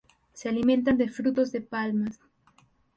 Se alimentan de frutos de palmas.